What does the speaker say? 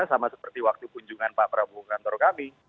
sama seperti waktu kunjungan pak prabowo ke kantor kami